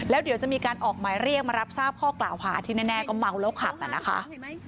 แล้วเดี๋ยวจะมีการออกหมายเรียกมารับทราบข้อกล่าวหาที่แน่ก็เมาแล้วขับนะคะ